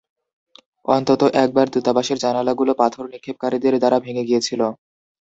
অন্তত একবার দূতাবাসের জানালাগুলো পাথর নিক্ষেপকারীদের দ্বারা ভেঙ্গে গিয়েছিল।